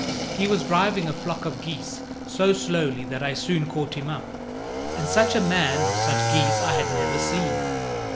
He was driving a flock of geese, so slowly that I soon caught him up; and such a man or such geese I had never seen.